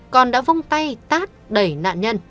còn đã vông tay tát đẩy nạn nhân